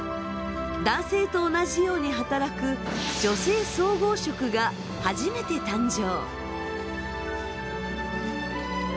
男性と同じように働く女性総合職が初めて誕生。